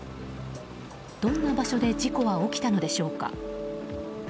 どんな場所で事故は起きたのでしょうか。